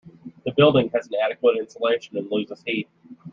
The building has inadequate insulation and loses heat.